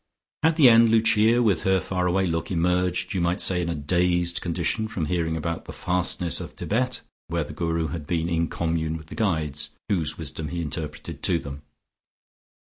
At the end Lucia, with her far away look, emerged, you might say, in a dazed condition from hearing about the fastness of Thibet, where the Guru had been in commune with the Guides, whose wisdom he interpreted to them.